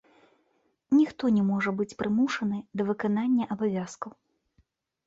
Ніхто не можа быць прымушаны да выканання абавязкаў.